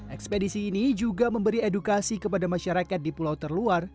ekspedisi ini juga memberi edukasi kepada masyarakat di pulau terluar